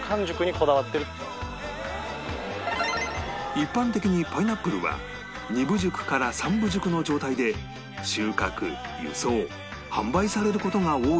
一般的にパイナップルは２分熟から３分熟の状態で収穫輸送販売される事が多いのだが